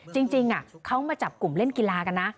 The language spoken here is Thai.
จริงเขามาจับกลุ่มเล่นกีฬากันนะ